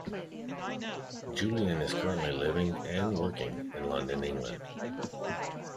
Julien is currently living and working in London, England.